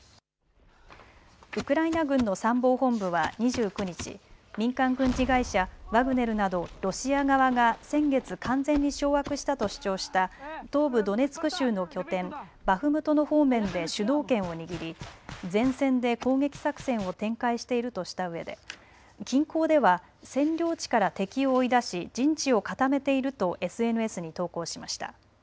ウクライナ軍の参謀本部は２９日、民間軍事会社、ワグネルなどロシア側が先月、完全に掌握したと主張した東部ドネツク州の拠点、バフムトの方面で主導権を握り前線で攻撃作戦を展開しているとしたうえで近郊では占領地から敵を追い出し陣地を固めているとＳＮＳに投稿しました。